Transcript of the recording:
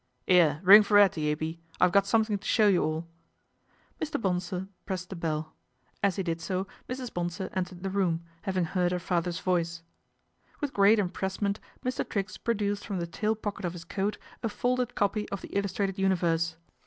' 'Ere. ring for 'Ettie, A. B., I've got something to show you all ' Mr. Bonsor pressed the bell. As he did so Mrs. Bonsor entered the room, having heard her father's vo; ce With gi eat emoressement Mr. Triggs produced from the tail pocket of his coat a folded copy of r .he Illustrated Universe.